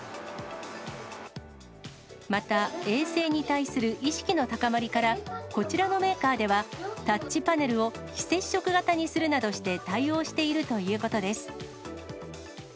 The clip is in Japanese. また衛生に対する意識の高まりから、こちらのメーカーでは、タッチパネルを非接触型にするなどして対応しているということです。